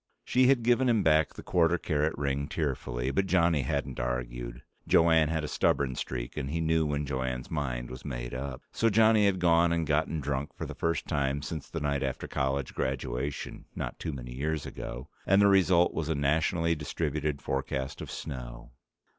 She had given him back the quarter carat ring tearfully, but Johnny hadn't argued. Jo Anne had a stubborn streak and he knew when Jo Anne's mind was made up. So Johnny had gone and gotten drunk for the first time since the night after college graduation, not too many years ago, and the result was a nationally distributed forecast of snow.